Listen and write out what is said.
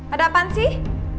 ada apaan sih